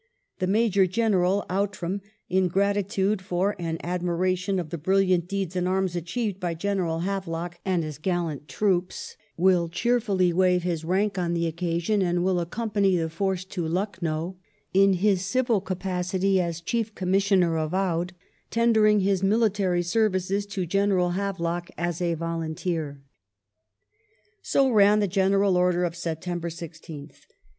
''The Major General (Outram) in grati tude for, aftd admiration of the brilliant deeds in arms achieved by General Havelock and his gallant troops, will cheerfully waive his rank on the occasion, and will accompany the force to Lucknow in his civil capacity as Chief Commissioner of Oudh, tendering his military services to General Havelock as a volunteer." So ran the general order of September 16th.